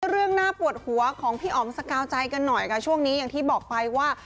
เรื่องน่าปวดหัวของพี่อ๋อมสกาวใจกันหน่อยค่ะช่วงนี้อย่างที่บอกไปว่า